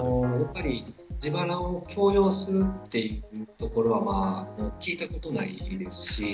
自腹を強要するというところは聞いたことがないですし。